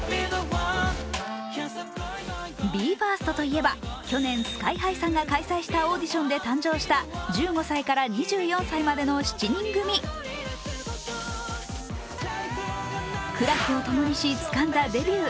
ＢＥ：ＦＩＲＳＴといえば、去年、ＳＫＹ−ＨＩさんが開催したオーディションで誕生した１５歳から２４歳までの７人組苦楽をともにしつかんだデビュー。